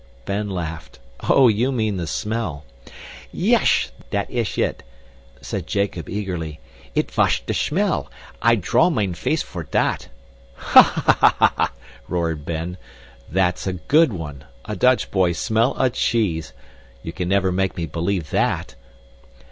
Ben laughed. "Oh, you mean the smell." "Yesh. Dat ish it," said Jacob eagerly. "It wash de shmell. I draw mine face for dat!" "Ha! ha!" roared Ben. "That's a good one. A Dutch boy smell a cheese! You can never make me believe THAT!"